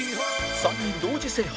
３人同時制覇